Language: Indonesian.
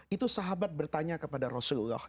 itu sahabat bertanya kepada rasulullah